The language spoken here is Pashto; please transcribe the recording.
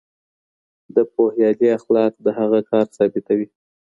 د پوهیالي اخلاق د هغه کار ثابتوي.